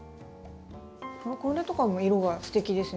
これとかも色がステキですね。